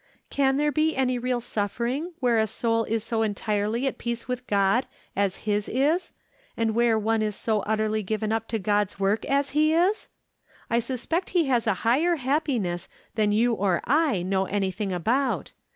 " Can there be any real suffering where a soul is so entirely at peace with God as his is, and where one is so utterly given iip to God's work as he is ? I sus pect he has a higher happiness than you or I know anything about.